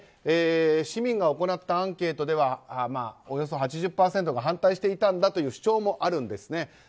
市民が行ったアンケートではおよそ８０％が反対していたんだという主張もあるんですね。